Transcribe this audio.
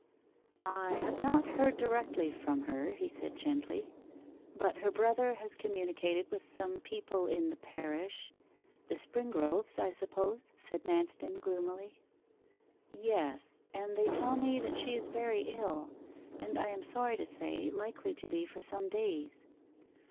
'I have not heard directly from her,' he said gently. 'But her brother has communicated with some people in the parish ' 'The Springroves, I suppose,' said Manston gloomily. 'Yes; and they tell me that she is very ill, and I am sorry to say, likely to be for some days.